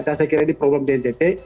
saya kira ini problem dndt